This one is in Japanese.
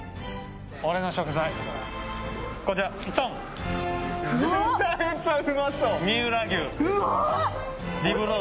俺の食材、こちら、ドン！